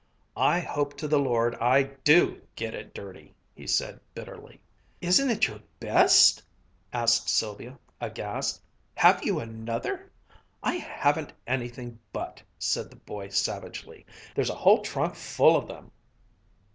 "I hope to the Lord I do get it dirty!" he said bitterly. "Isn't it your best?" asked Sylvia, aghast. "Have you another?" "I haven't anything but!" said the boy savagely. "There's a whole trunk full of them!"